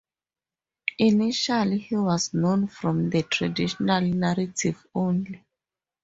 Initially, he was known from the traditional narratives only.